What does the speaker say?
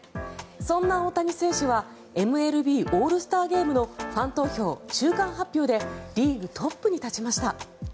そんな大谷選手はＭＬＢオールスターゲームのファン投票中間発表でリーグトップに立ちました。